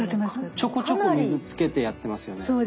ちょこちょこ水つけてやってますよね。